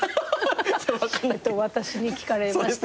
私に聞かれましても。